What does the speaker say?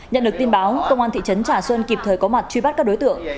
nhận được tin báo công an thị trấn trà xuân kịp thời có mặt truy bắt các đối tượng